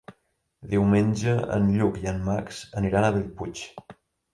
Diumenge en Lluc i en Max aniran a Bellpuig.